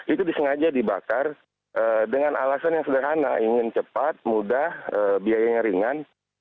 itu disengaja dibakar dengan alasan yang sederhana ingin cepat mudah biayanya ringan